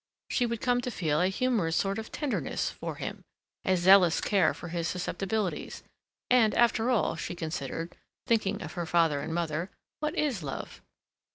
She would come to feel a humorous sort of tenderness for him, a zealous care for his susceptibilities, and, after all, she considered, thinking of her father and mother, what is love?